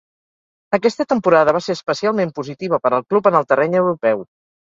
Aquesta temporada va ser especialment positiva per al club en el terreny europeu.